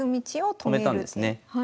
止めたんですね。